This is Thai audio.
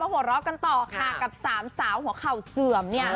มาโหดร้อกันต่อกันกับ๓เสาหัวเข่าเสื่อมเนี่ย